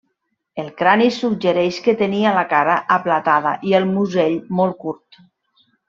El crani suggereix que tenia la cara aplatada i el musell molt curt.